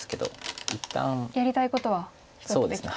やりたいことは一つできたと。